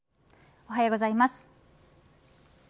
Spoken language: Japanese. おはようございます。